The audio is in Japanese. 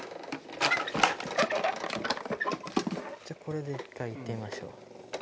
じゃあこれで１回いってみましょう。